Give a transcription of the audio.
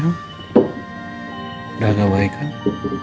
udah agak baik aja